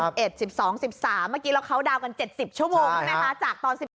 ๑๑๑๒๑๓เมื่อกี้เราเคาน์ดาวน์กัน๗๐ชั่วโมง